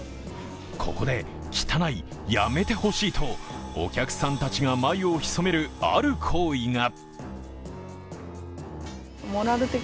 ここで汚い、やめてほしいとお客さんたちが眉をひそめる、ある行為が。